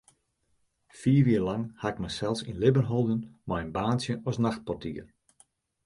Fiif jier lang ha ik mysels yn libben holden mei in baantsje as nachtportier.